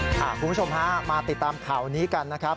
คุณผู้ชมฮะมาติดตามข่าวนี้กันนะครับ